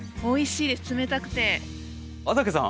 安宅さん。